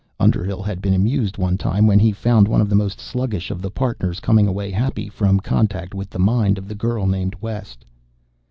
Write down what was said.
Underhill had been amused one time when he found one of the most sluggish of the Partners coming away happy from contact with the mind of the girl named West.